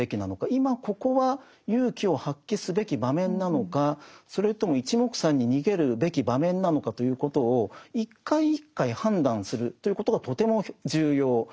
今ここは勇気を発揮すべき場面なのかそれともいちもくさんに逃げるべき場面なのかということを一回一回判断するということがとても重要なわけですね。